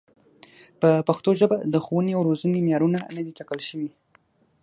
په پښتو ژبه د ښوونې او روزنې معیارونه نه دي ټاکل شوي.